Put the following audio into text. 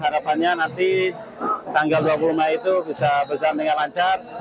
harapannya nanti tanggal dua puluh mei itu bisa berjalan dengan lancar